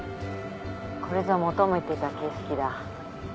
これぞ求めてた景色だ。